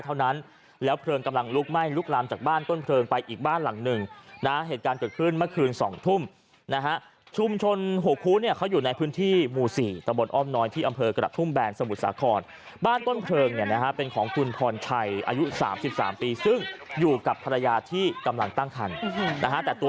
เท่านั้นแล้วเพลิงกำลังลุกไหม้ลุกลามจากบ้านต้นเพลิงไปอีกบ้านหลังหนึ่งนะเหตุการณ์เกิดขึ้นเมื่อคืน๒ทุ่มนะฮะชุมชนหกคู้เนี่ยเขาอยู่ในพื้นที่หมู่๔ตะบนอ้อมน้อยที่อำเภอกระทุ่มแบนสมุทรสาครบ้านต้นเพลิงเนี่ยนะฮะเป็นของคุณพรชัยอายุ๓๓ปีซึ่งอยู่กับภรรยาที่กำลังตั้งคันนะฮะแต่ตัว